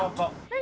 何？